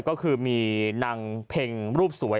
ก็คือมีนางเพ็งรูปสวย